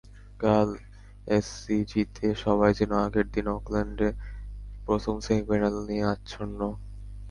কাল এসসিজিতে সবাই যেন আগের দিন অকল্যান্ডে প্রথম সেমিফাইনাল নিয়ে আচ্ছন্ন।